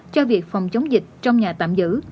cho việc phòng chống dịch trong nhà tạm giữ